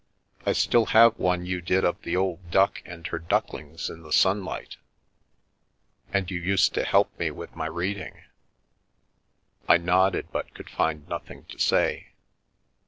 I still have one you did of the old duck and her ducklings in the sunlight. And you used to help me with my read ing. I nodded but could find nothing to say.